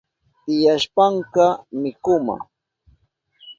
Tiyashpanka mikuma